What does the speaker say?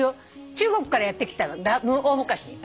中国からやって来たの大昔。